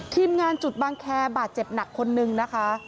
ทีมงานจุดบางแคร์บาดเจ็บหนักคนนึงนะคะ